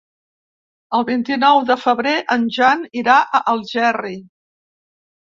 El vint-i-nou de febrer en Jan irà a Algerri.